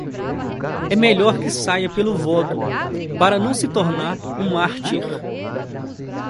É melhor que saia pelo voto para não se tornar um mártir